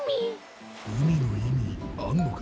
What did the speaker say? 海の意味あんのか？